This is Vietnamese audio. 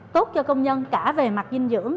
tốt cho công nhân cả về mặt dinh dưỡng